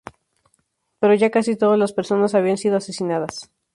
Pero ya casi todas las personas habían sido asesinadas.